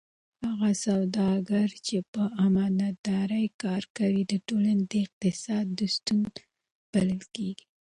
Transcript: هغه سوداګر چې په امانتدارۍ کار کوي د ټولنې د اقتصاد ستون بلل کېږي.